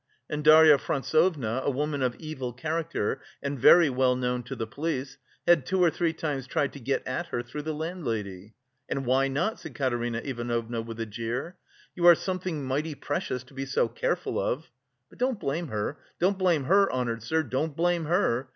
And Darya Frantsovna, a woman of evil character and very well known to the police, had two or three times tried to get at her through the landlady. 'And why not?' said Katerina Ivanovna with a jeer, 'you are something mighty precious to be so careful of!' But don't blame her, don't blame her, honoured sir, don't blame her!